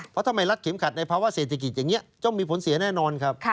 เพราะทำไมรัฐเข็มขัดในภาวะเศรษฐกิจอย่างนี้ต้องมีผลเสียแน่นอนครับ